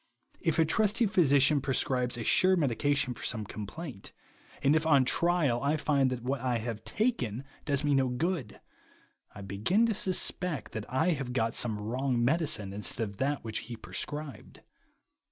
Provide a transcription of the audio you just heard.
If a trusty j^hysician prescribes a sure medi cine for some complaint, and if on trial I THE WANT OF POWER TO BELIEVE. 1 33 find that what I ha^e taken does me no good, I begin to suspect that I have got some ^vrong medicine instead of that which he prescribed.